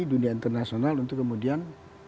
dunia internasional untuk kemudian